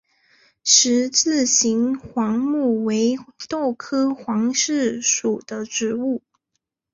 十字形黄耆为豆科黄芪属的植物。